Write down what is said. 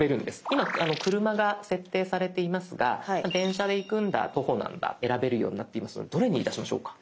今車が設定されていますが電車で行くんだ徒歩なんだ選べるようになっていますのでどれにいたしましょうか？